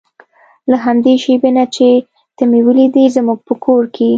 له همدې شېبې نه چې ته مې ولیدې زموږ په کور کې.